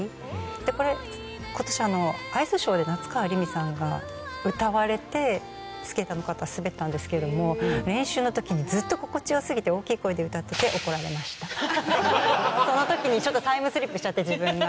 でこれ今年アイスショーで夏川りみさんが歌われてスケーターの方滑ったんですけれども練習の時にずっと心地良すぎてその時にちょっとタイムスリップしちゃって自分が。